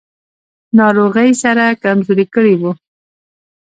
ناروغۍ سره کمزوری کړی و.